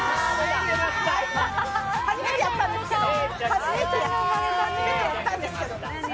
初めてやったんですけど。